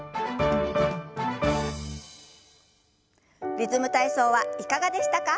「リズム体操」はいかがでしたか？